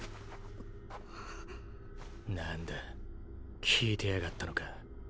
何だ聞いてやがったのか？